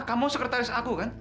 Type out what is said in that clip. kamu sekretaris aku kan